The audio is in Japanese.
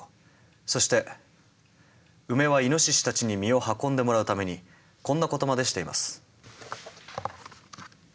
そしてウメはイノシシたちに実を運んでもらうためにこんなことまでしています。